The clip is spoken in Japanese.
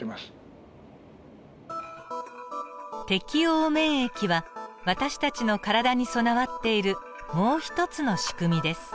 適応免疫は私たちの体に備わっているもう一つのしくみです。